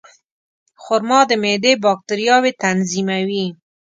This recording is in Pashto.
خرما د معدې باکتریاوې تنظیموي.